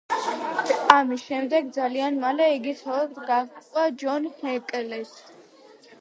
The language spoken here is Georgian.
ამის შემდეგ ძალიან მალე იგი ცოლად გაყვა ჯონ ჰეკლერს.